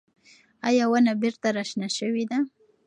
ایا ونه بېرته راشنه شوې ده؟